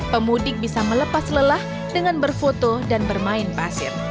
pemudik bisa melepas lelah dengan berfoto dan bermain pasir